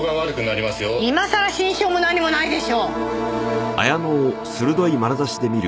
今さら心証も何もないでしょ！